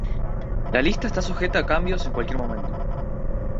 La lista está sujeta a cambios en cualquier momento.